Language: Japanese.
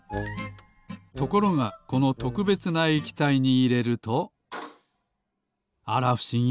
ところがこのとくべつな液体にいれるとあらふしぎ。